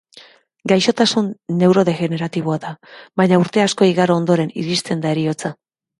Gaixotasun neurodegeneratiboa da, baina urte asko igaro ondoren iristen da heriotza.